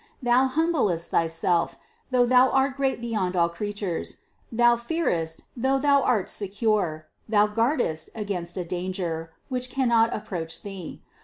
Thou humblest thy self, though thou art great beyond all creatures: thou fearest, though thou art secure: thou guardest against a danger, which cannot approach thee.